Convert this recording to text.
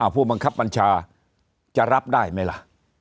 ผู้บังคับบัญชาจะรับได้ไหมล่ะ